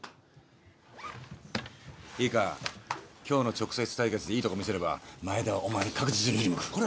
今日の直接対決でいいとこ見せれば前田はお前に確実に振り向く。